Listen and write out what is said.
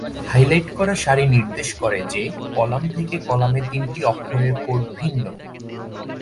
Highlight করা সারি নির্দেশ করে যে কলাম থেকে কলামে তিনটি অক্ষরের কোড ভিন্ন।